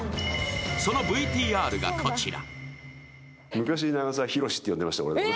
そのＶＴＲがこちら。